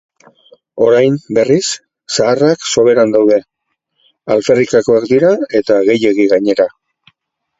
Orain, berriz, zaharrak soberan daude, alferrikakoak dira eta gehiegi gainera.